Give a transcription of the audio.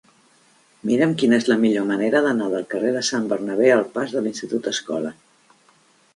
Mira'm quina és la millor manera d'anar del carrer de Sant Bernabé al pas de l'Institut Escola.